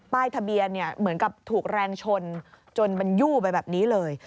ทะเบียนเหมือนกับถูกแรงชนจนมันยู่ไปแบบนี้เลย